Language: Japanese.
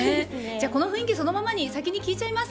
この雰囲気そのままに先に聞いちゃいます。